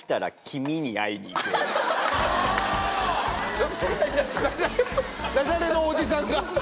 ちょっと駄じゃれのおじさんが。